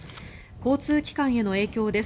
交通機関への影響です。